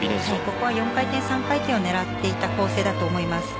ここは４回転、３回転を狙っていた構成だと思います。